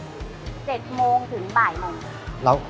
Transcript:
๗โมงถึงบ่ายโมง